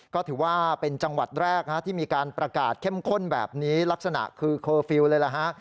ก็ถือว่าเป็นจังหวัดแรกที่มีการประกาศเข้มข้นแบบนี้ลักษณะคือเคอร์ฟิลล์เลยล่ะฮะ